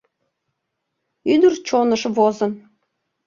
Ӱдыр чоныш возын